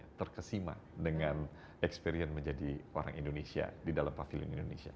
kita terkesima dengan experience menjadi orang indonesia di dalam pavilion indonesia